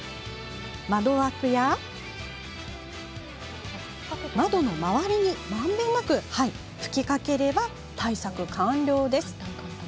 窓枠や窓の周りに、まんべんなく吹きかければ対策完了です。